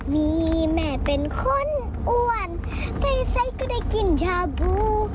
มีแม่เป็นคนอ่วนไปไซด์ก็ได้กินชาบู